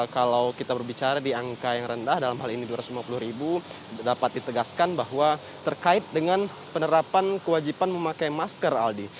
kalau kita berbicara di angka yang rendah dalam hal ini dua ratus lima puluh ribu dapat ditegaskan bahwa terkait dengan penerapan kewajiban memakai masker aldi